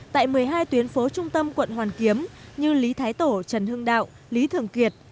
tại một mươi hai tuyến phố trung tâm quận hoàn kiếm như lý thái tổ trần hưng đạo lý thường kiệt